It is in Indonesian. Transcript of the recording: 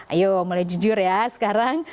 ayo mulai jujur ya sekarang